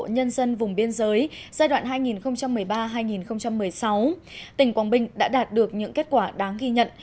nhân dân vùng biên giới giai đoạn hai nghìn một mươi ba hai nghìn một mươi sáu tỉnh quảng bình đã đạt được những kết quả đáng ghi nhận